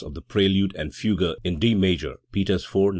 253); the preludes and fugues in D major (Peters IV, No.